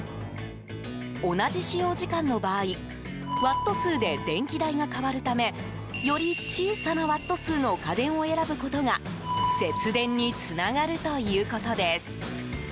同じ使用時間の場合ワット数で電気代が変わるためより小さなワット数の家電を選ぶことが節電につながるということです。